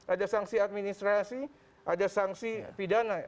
ada sanksi administrasi ada sanksi pidana